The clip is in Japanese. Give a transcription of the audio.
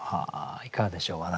いかがでしょう？